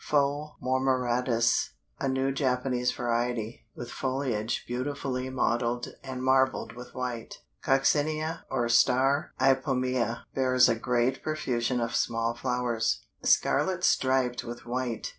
Fol Mormoratis_, a new Japanese variety, with foliage beautifully mottled and marbled with white; Coccinea, or "Star" Ipomea, bears a great profusion of small flowers, scarlet striped with white.